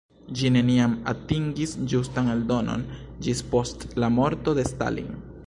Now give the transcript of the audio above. Ĝi neniam atingis ĝustan eldonon ĝis post la morto de Stalin.